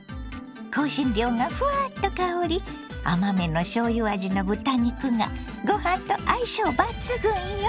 香辛料がフワッと香り甘めのしょうゆ味の豚肉がご飯と相性抜群よ！